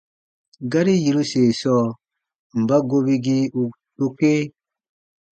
Gari yiruse sɔɔ: mba gobigii u dokee?